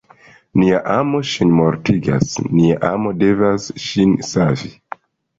Nia amo ŝin mortigas: nia amo devas ŝin savi.